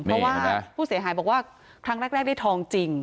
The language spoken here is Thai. เพราะว่าผู้เสียหายบอกว่าครั้งแรกได้ทองจริง